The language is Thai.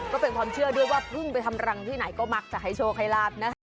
ก็เป็นความเชื่อด้วยว่าเพิ่งไปทำรังที่ไหนก็มักจะให้โชคให้ลาบนะ